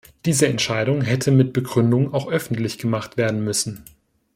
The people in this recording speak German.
Diese Entscheidung hätte mit Begründung auch öffentlich gemacht werden müssen.